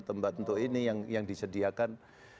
tempat untuk ini yang disediakan